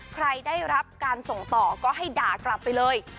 ใครได้รับการส่งต่อก็ให้ด่ากลับไปเลย